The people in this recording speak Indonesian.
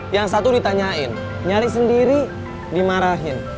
yang satu ditanyain nyari sendiri dimarahin